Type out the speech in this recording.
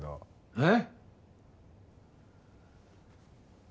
えっ？